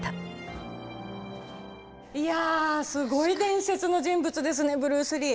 いやすごい伝説の人物ですねブルース・リー。